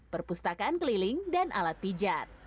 perpustakaan keliling dan alat pijat